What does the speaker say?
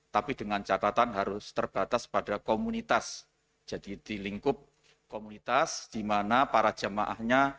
jadi dengan catatan harus terbatas pada komunitas jadi dilingkup komunitas dimana para jemaahnya